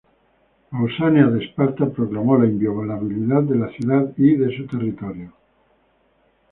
Pausanias de Esparta proclamó la inviolabilidad de la ciudad y de su territorio.